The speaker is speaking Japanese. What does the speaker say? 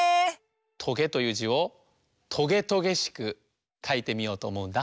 「とげ」という「じ」をとげとげしくかいてみようとおもうんだ。